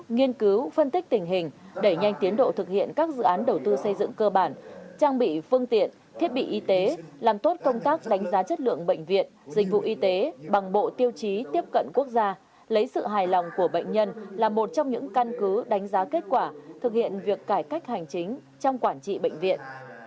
nghiên cứu phân tích tình hình đẩy nhanh tiến độ thực hiện các dự án đầu tư xây dựng cơ bản trang bị phương tiện thiết bị y tế làm tốt công tác đánh giá chất lượng bệnh viện dịch vụ y tế bằng bộ tiêu chí tiếp cận quốc gia lấy sự hài lòng của bệnh nhân là một trong những căn cứ đánh giá kết quả thực hiện việc cải cách hành chính trong quản trị bệnh viện